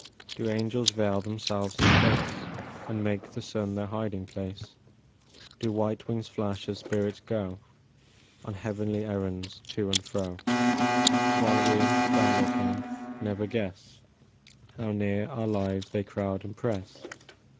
Do angels veil themselves in space, And make the sun their hiding place? Do white wings flash as spirits go On heavenly errands to and fro, 170 STARS IN THE SKY ALL DAY. While we, down looking, never guess How near our lives they crowd and press